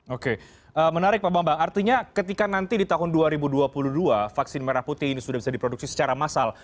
oke menarik pak bambang artinya ketika nanti di tahun dua ribu dua puluh dua vaksin merah putih ini sudah bisa diproduksi secara massal